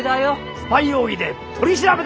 スパイ容疑で取り調べだ！